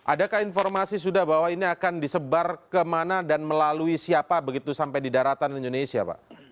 adakah informasi sudah bahwa ini akan disebar kemana dan melalui siapa begitu sampai di daratan indonesia pak